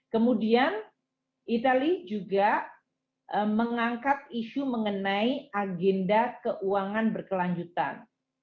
kemudian itali juga mengangkat isu mengenai agenda keuangan berkelanjutan